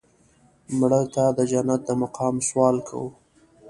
مړه ته د جنت د مقام سوال کوو